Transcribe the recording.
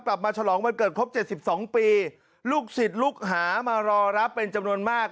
ฉลองวันเกิดครบ๗๒ปีลูกศิษย์ลูกหามารอรับเป็นจำนวนมาก